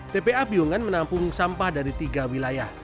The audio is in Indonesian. tpa piungan menampung sampah dari tiga wilayah